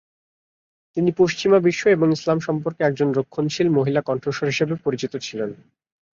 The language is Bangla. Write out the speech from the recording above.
তিনি পশ্চিমা বিশ্ব এবং ইসলাম সম্পর্কে একজন রক্ষণশীল মহিলা কণ্ঠস্বর হিসেবে পরিচিত ছিলেন।